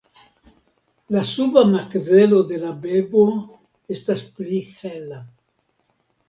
La suba makzelo de la beko estas pli hela.